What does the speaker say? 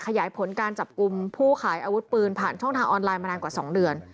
ขยายผลการจับกลุ่มผู้ขายอาวุธปืนผ่านช่องทางออนไลน์มานานกว่า๒เดือน